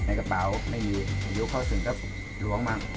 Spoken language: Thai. ในกระเป๋าไม่มีเดี๋ยวเขาถึงกับหลวงมั่ง